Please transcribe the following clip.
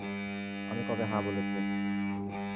আমি কবে হ্যাঁ বলেছি?